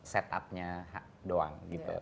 set up nya doang gitu